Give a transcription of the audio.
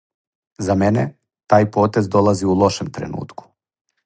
За мене, тај потез долази у лошем тренутку.